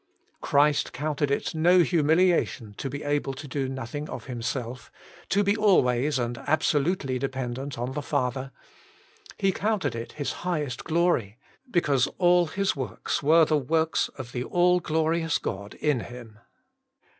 Christ counted it no humiliation to be able to do nothing of Himself, to be always and absolutely dependent on the Father. He counted it Flis highest glory, because so all His works were the works of the all glorious God in Him.